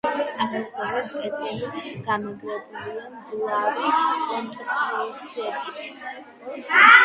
აღმოსავლეთ კედელი გამაგრებულია მძლავრი კონტრფორსებით.